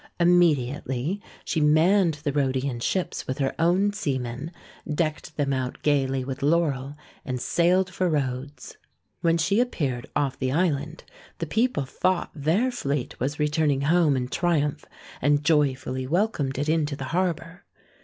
Immediately she manned the Rhodian ships with her own seamen, decked them out gaily with laurel, and sailed for Rhodes. When she appeared off the island, the people thought their fleet was returning home in triumph and joyfully welcomed it into the harbour.